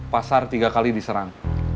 pasar tiga kali diserang